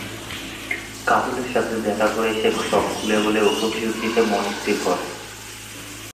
কাজলের সাথে দেখা করে সে সব খুলে বলে ও প্রতিশোধ নিতে মনস্থির করে।